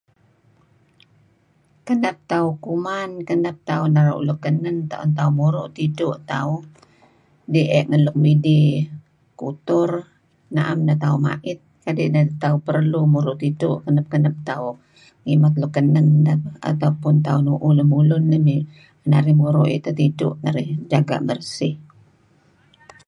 Kenep tauh kuman, kenep tauh naru' nuk kenen tuen tauh muru' tidtu' tauh die' ngen nuk midih kutur naem neh tauh mait kadi' neh auh perlu muru' tidtu' kenep-kenep tauh ngimet nuk kenen ataupun tauh nuuh lemulun tuen naih mutu' ayu' teh tidtu' narih jaga' bersih.